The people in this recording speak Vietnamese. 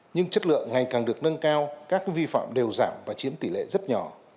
nhưng chất lượng ngày càng được nâng cao các vi phạm đều giảm và chiếm tỷ lệ rất nhỏ